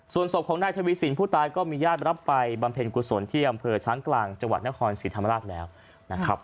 ส่วนศพของนายทวีสินผู้ตายก็มีญาติรับไปบำเพ็ญกุศลที่อำเภอช้างกลางจังหวัดนครศรีธรรมราชแล้วนะครับ